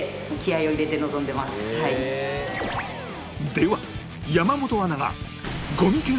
では山本アナが